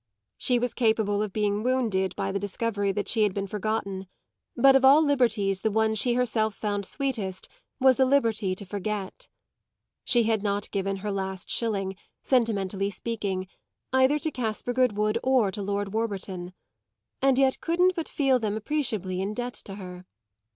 She was capable of being wounded by the discovery that she had been forgotten; but of all liberties the one she herself found sweetest was the liberty to forget. She had not given her last shilling, sentimentally speaking, either to Caspar Goodwood or to Lord Warburton, and yet couldn't but feel them appreciably in debt to her.